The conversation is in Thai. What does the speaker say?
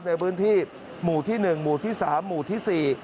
ในพื้นที่หมู่ที่หนึ่งหมู่ที่สามหมู่ที่สี่